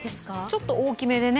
ちょっと大きめでね。